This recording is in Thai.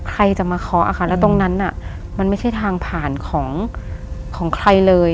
ใครจะมาเคาะค่ะแล้วตรงนั้นมันไม่ใช่ทางผ่านของใครเลย